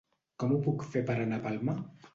Com ho puc fer per anar a Palma?